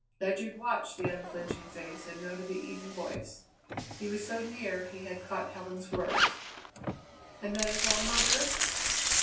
Ledyard watched the unflinching face and noted the even voice. He was so near he had caught Helen's words. "And that is all, mother?"